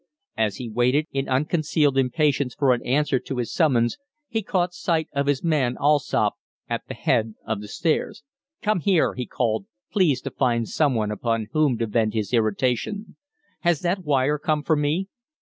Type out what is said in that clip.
As he waited in unconcealed impatience for an answer to his summons, he caught sight of his man Allsopp at the head of the stairs. "Come here!" he called, pleased to find some one upon whom to vent his irritation. "Has that wire come for me?"